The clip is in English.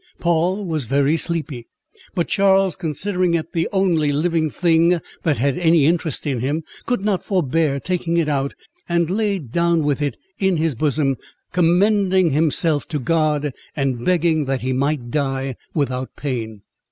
Poll was very sleepy, but Charles, considering it the only living thing that had any interest in him, could not forbear taking it out, and laid down with it in his bosom, commending himself to God, and begging that he might die without pain.